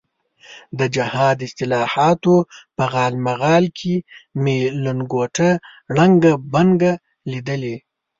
د جهاد اصطلاحاتو په غالمغال کې مې لنګوټه ړنګه بنګه لیدلې.